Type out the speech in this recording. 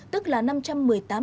tức là năm trăm một mươi tám tấn